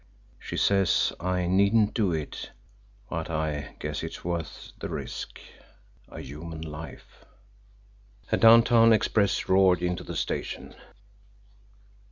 She says I needn't do it, but I guess it's worth the risk a human life!" A downtown express roared into the station.